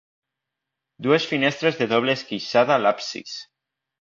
Dues finestres de doble esqueixada a l'absis.